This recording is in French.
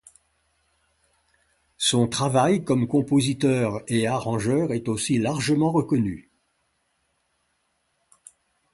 Son travail comme compositeur et arrangeur est aussi largement reconnu.